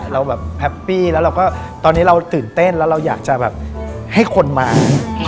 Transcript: เราแฮปปี้ตอนนี้เราตื่นเต้นแล้วเราอยากจะให้คนมา